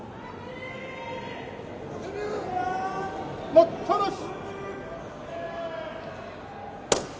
待ったなし。